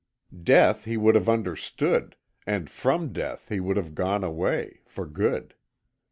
Death he would have understood, and FROM death he would have gone away for good.